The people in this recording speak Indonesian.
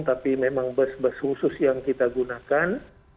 tapi memang bus bus khusus yang kita gunakan